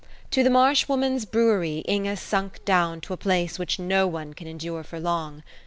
To the Marsh Woman's brewery Inge sunk down to a place which no one can endure for long.